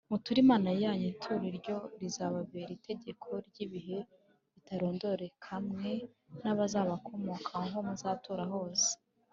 Muture Imana yanyu ituro iryo rizababere itegeko ry’ibihe bitarondoreka mwe n’abazabakomokaho aho muzatura hose